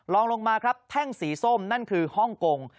ลงมาครับแท่งสีส้มนั่นคือฮ่องกง